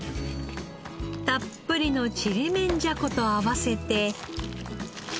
たっぷりのちりめんじゃこと合わせて。